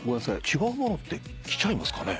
違うものって来ちゃいますかね？